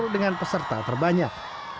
dengan peserta terbanyak